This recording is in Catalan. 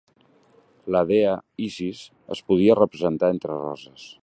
La dea Isis es podia representar entre roses.